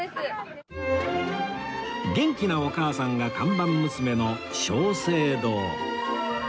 元気なお母さんが看板娘の松盛堂